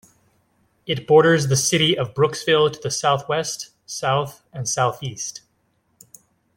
It borders the city of Brooksville to the southwest, south, and southeast.